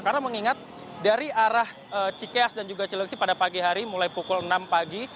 karena mengingat dari arah cikeas dan juga cileksi pada pagi hari mulai pukul enam pagi